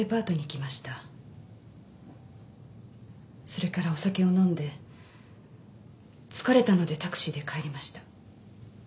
それからお酒を飲んで疲れたのでタクシーで帰りました。